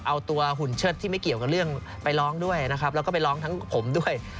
เอาตัวหุ่นเชิดที่ไม่เกี่ยวกับเรื่องไปร้องด้วยนะครับแล้วก็ไปร้องทั้งผมด้วย